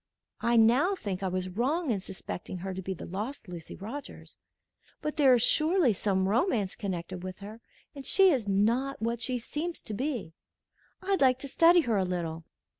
I now think I was wrong in suspecting her to be the lost Lucy Rogers; but there is surely some romance connected with her, and she is not what she seems to be. I'd like to study her a little."